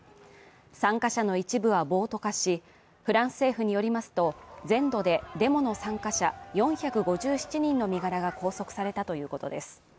参加者の一部は暴徒化し、フランス政府によりますと全土でデモの参加者４５７人の身柄が拘束されたということです。